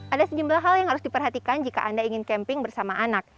ada sejumlah hal yang harus diperhatikan jika anda ingin camping bersama anak